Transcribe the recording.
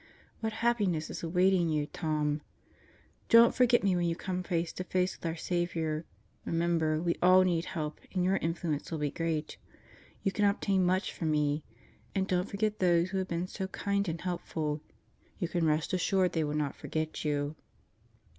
... What happiness is awaiting you, Tom! Don't forget me when you come face to face with our Saviour. Remember we all need help and your influence will be great. You can obtain much for me. And don't forget those who have been so kind and helpful. You can rest assured they will not forget you.